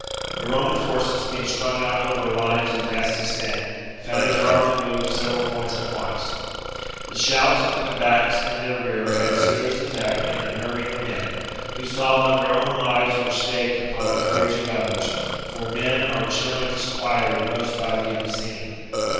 The Roman forces, being strung out over lines of vast extent, found it hard to move to several points at once. The shouts of the combatants in their rear had a serious effect in unnerving the men, who saw that their own o lives were staked upon the courage of others ; for men are generally disquieted most by the unseen.